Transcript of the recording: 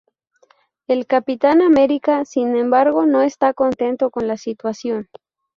El Capitán America, sin embargo, no está contento con la situación.